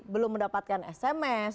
belum mendapatkan sms